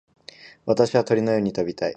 私は鳥のように飛びたい。